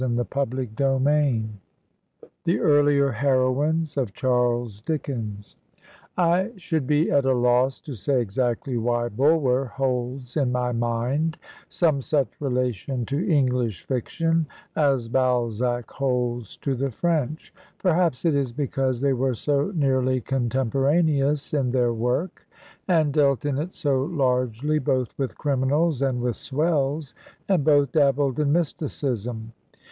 Digitized by VjOOQIC THE EARLIER HEROINES OF CHARLES DICKENS I SHOULD be at a loss to say exactly why Bulwer holds in my mind some such relation to EngUsh fiction as Balzac holds to the French. Perhaps it is because they were so nearly contemporaneous in their work, and dealt in it so largely both with criminsds and with swells, and both dabbled in mysticism.